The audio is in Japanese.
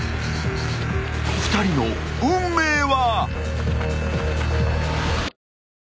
［２人の運命は］